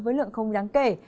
với lượng không đáng kể